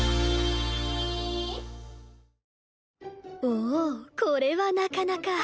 おおこれはなかなか。